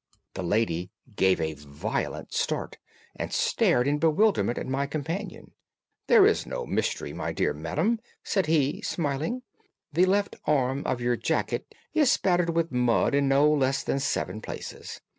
The lady gave a violent start and stared in bewilderment at my companion. "There is no mystery, my dear madam," said he, smiling. "The left arm of your jacket is spattered with mud in no less than seven places.